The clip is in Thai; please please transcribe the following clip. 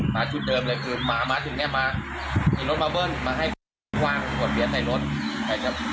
มาจุดเดิมแหละมามาถึงมาที่รถร้อนมาให้วางละรถัวเวียดในรถค่ะ